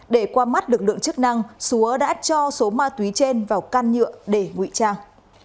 để qua mắt lực lượng chức năng xúa đã cho số ma túy trên vào can nhựa để ngụy trang